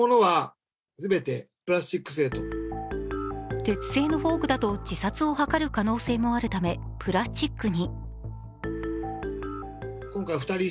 鉄製のフォークだと自殺を図る可能性もあるためプラスチックに。